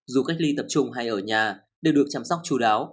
dù cách ly tập trung hay ở nhà đều được chăm sóc chú đáo